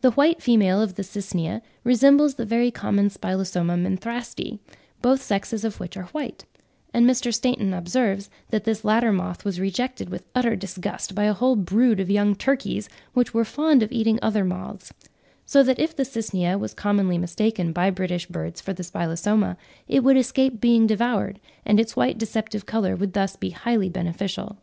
The white female of the Cycnia resembles the very common Spilosoma menthrasti, both sexes of which are white; and Mr. Stainton observed that this latter moth was rejected with utter disgust by a whole brood of young turkeys, which were fond of eating other moths; so that if the Cycnia was commonly mistaken by British birds for the Spilosoma, it would escape being devoured, and its white deceptive colour would thus be highly beneficial.)